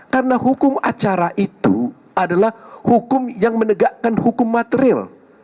karena hukum acara itu adalah hukum yang menegakkan hukum materil